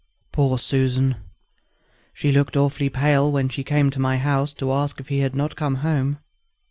Poor Susan! she looked awfully pale when she came to my house to ask if he had not come home.